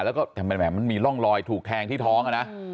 แล้วมีร่องลอยถูกแทงที่ท้องนะนะ